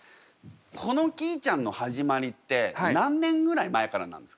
このきーちゃんの始まりって何年ぐらい前からなんですか？